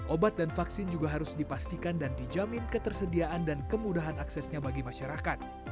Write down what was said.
obat dan vaksin juga harus dipastikan dan dijamin ketersediaan dan kemudahan aksesnya bagi masyarakat